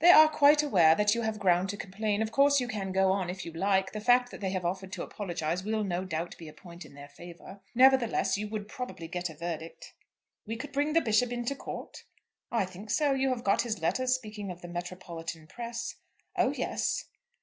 "They are quite aware that you have ground to complain. Of course you can go on if you like. The fact that they have offered to apologise will no doubt be a point in their favour. Nevertheless you would probably get a verdict." "We could bring the Bishop into court?" "I think so. You have got his letter speaking of the 'metropolitan press'?" "Oh yes."